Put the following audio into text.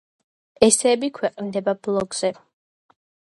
ესსეები ქვეყნდება ბლოგზე.